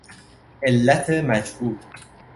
علت مجهول